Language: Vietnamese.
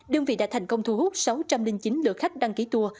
đơn vị đã thành công thu hút sáu trăm linh chín lượt khách đăng ký tour